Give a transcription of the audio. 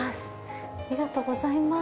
ありがとうございます。